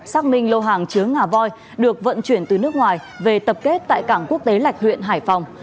xác minh lô hàng chứa ngà voi được vận chuyển từ nước ngoài về tập kết tại cảng quốc tế lạch huyện hải phòng